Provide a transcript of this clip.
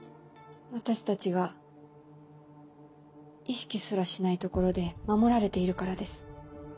私たちが意識すらしないところで守られているからです。